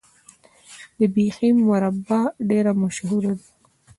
د بیحي مربا ډیره مشهوره ده.